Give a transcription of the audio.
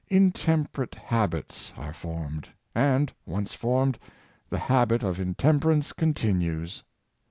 Intemperate habits are formed, and, once formed, the habit of intemperance continues.